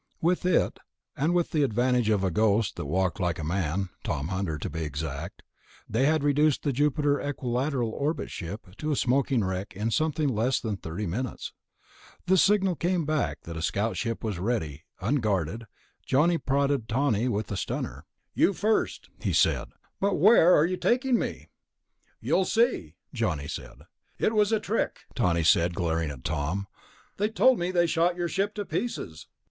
With it, and with the advantage of a ghost that walked like a man ... Tom Hunter, to be exact ... they had reduced the Jupiter Equilateral orbit ship to a smoking wreck in something less than thirty minutes. The signal came back that a scout ship was ready, unguarded. Johnny prodded Tawney with the stunner. "You first," he said. "But where are you taking me?" "You'll see," Johnny said. "It was a trick," Tawney said, glaring at Tom. "They told me they shot your ship to pieces...."